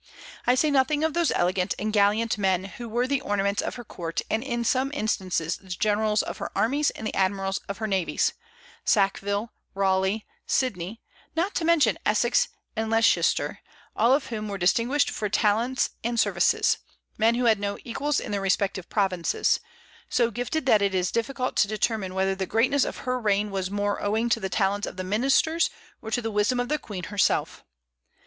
I say nothing of those elegant and gallant men who were the ornaments of her court, and in some instances the generals of her armies and admirals of her navies, Sackville, Raleigh, Sidney, not to mention Essex and Leicester, all of whom were distinguished for talents and services; men who had no equals in their respective provinces; so gifted that it is difficult to determine whether the greatness of her reign was more owing to the talents of the ministers or to the wisdom of the Queen herself.